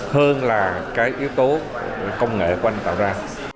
hơn là cái yếu tố công nghệ của anh tạo ra